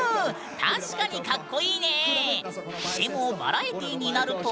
確かにかっこいね。